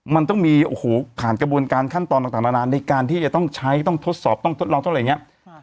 มันต้องมีโอ้โหผ่านกระบวนการขั้นตอนต่างนานในการที่จะต้องใช้ต้องทดสอบต้องทดลองต้องอะไรอย่างนี้